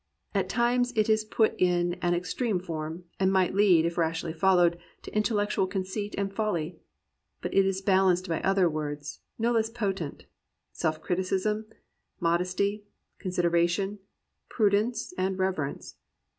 At times it is put in an ex treme form, and might lead, if rashly followed, to intellectual conceit and folly. But it is balanced by other words, no less potent, — self criticism, mod esty, consideration, prudence, and reverence.